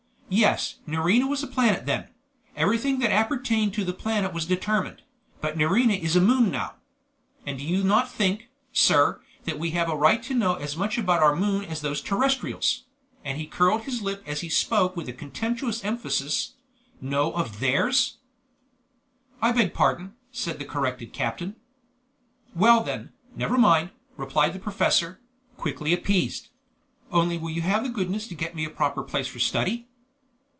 "Yes! Nerina was a planet then; everything that appertained to the planet was determined; but Nerina is a moon now. And do you not think, sir, that we have a right to know as much about our moon as those terrestrials" and he curled his lip as he spoke with a contemptuous emphasis "know of theirs?" "I beg pardon," said the corrected captain. "Well then, never mind," replied the professor, quickly appeased; "only will you have the goodness to get me a proper place for study?"